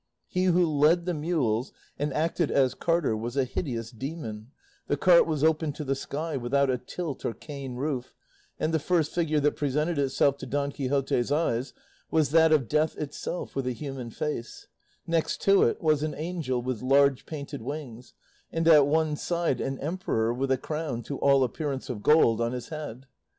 He who led the mules and acted as carter was a hideous demon; the cart was open to the sky, without a tilt or cane roof, and the first figure that presented itself to Don Quixote's eyes was that of Death itself with a human face; next to it was an angel with large painted wings, and at one side an emperor, with a crown, to all appearance of gold, on his head.